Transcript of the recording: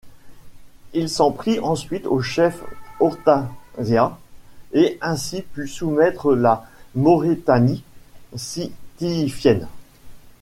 Il s'en prit ensuite au chef Orthaias, et ainsi put soumettre la Maurétanie sitifienne.